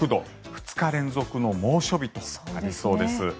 ２日連続の猛暑日となりそうです。